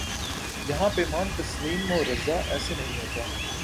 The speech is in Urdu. یہاں پیمان تسلیم و رضا ایسے نہیں ہوتا